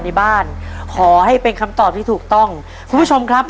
ในบ้านขอให้เป็นคำตอบที่ถูกต้องคุณผู้ชมครับ